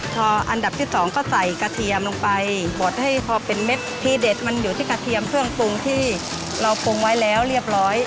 พออันดับที่สองก็ใส่กระเทียมลงไปบดให้พอเป็นเม็ดทีเด็ดมันอยู่ที่กระเทียมเครื่องปรุงที่เราปรุงไว้แล้วเรียบร้อย